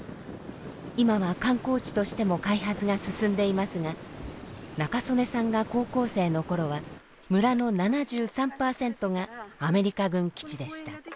今は観光地としても開発が進んでいますが仲宗根さんが高校生の頃は村の７３％がアメリカ軍基地でした。